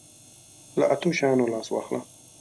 له اتو شیانو لاس واخله.